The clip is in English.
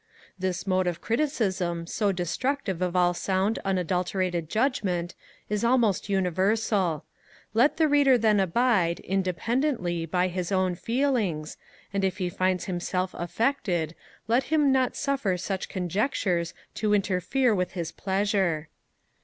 This mode of criticism, so destructive of all sound unadulterated judgement, is almost universal: let the Reader then abide, independently, by his own feelings, and, if he finds himself affected, let him not suffer such conjectures to interfere with his pleasure.